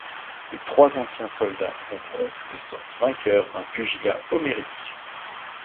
Les trois anciens soldats font front et sortent vainqueurs d'un pugilat homérique.